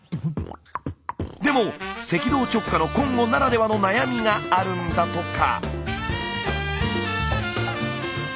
でも赤道直下のコンゴならではの悩みがあるんだとか。